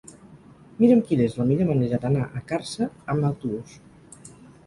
Mira'm quina és la millor manera d'anar a Càrcer amb autobús.